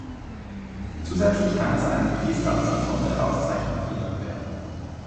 Zusätzlich kann es einem Priester als besondere Auszeichnung verliehen werden.